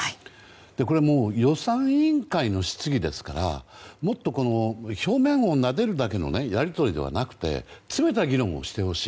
これ、もう、予算委員会の質疑ですからもっと表面をなでるだけのやり取りではなくて詰めた議論をしてほしい。